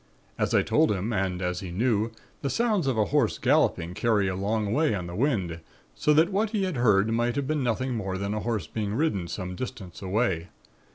As I told him, and as he knew, the sounds of a horse galloping carry a long way on the wind so that what he had heard might have been nothing more than a horse being ridden some distance away.